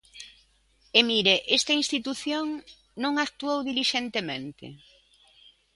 E mire, esta institución non actuou dilixentemente.